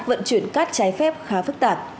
vận chuyển cát trái phép khá phức tạp